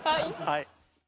はい。